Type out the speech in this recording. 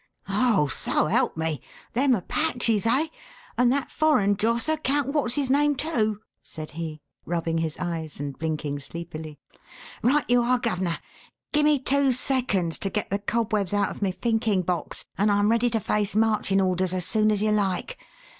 "Oh, so help me! Them Apaches, eh? And that foreign josser, Count What's his name, too?" said he, rubbing his eyes and blinking sleepily. "Right you are, guv'ner! Gimme two seconds to get the cobwebs out of my thinking box and I'm ready to face marching orders as soon as you like.